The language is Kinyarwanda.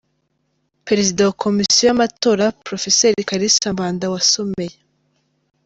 Perezida wa Komisiyo y’Amatora, Prof Kalisa Mbanda wasomeye.